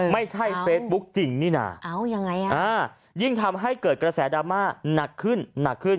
ไม่ใช่เฟสบุ๊กจริงงินีนายิ่งทำให้เกิดกระแสดรมมาหนักขึ้น